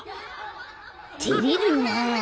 てれるなあ。